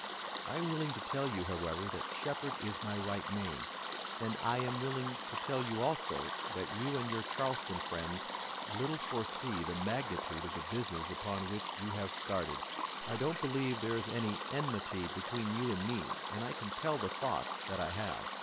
I am willing to tell you, however, that Shepard is my right name, and I am willing to tell you also, that you and your Charleston friends little foresee the magnitude of the business upon which you have started. I don't believe there is any enmity between you and me and I can tell the thoughts that I have."